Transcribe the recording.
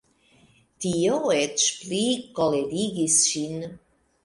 Tio eĉ pli kolerigis ŝin.